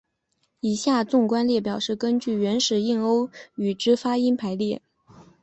以下纵观列表是根据原始印欧语之发音排列。